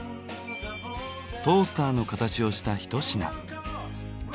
トースターの形をしたひと品。